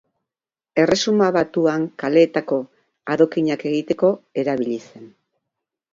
Erresuma Batuan kaleetako adokinak egiteko erabili zen.